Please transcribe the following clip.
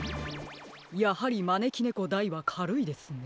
やはりまねきねこ・大はかるいですね。